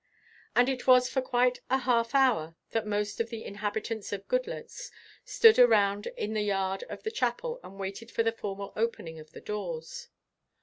And it was for quite a half hour that most of the inhabitants of Goodloets stood around in the yard of the chapel and waited for the formal opening of the doors.